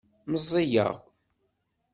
Meẓẓiyeɣ.